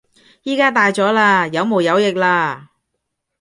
而家大咗喇，有毛有翼喇